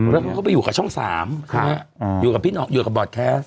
แล้วเขาไปอยู่กับช่องสามค่ะอ่าอยู่กับพี่นอกอยู่กับบอร์ดแคสต์